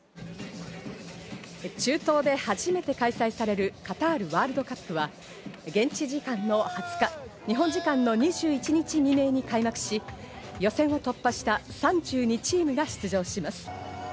中東で初めて開催されるカタールワールドカップは現地時間の２０日、日本時間の２１日未明に開幕し、予選を突破した３２チームが出場します。